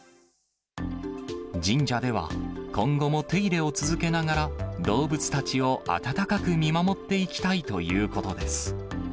神社では、今後も手入れを続けながら、動物たちを温かく見守っていきたいということです。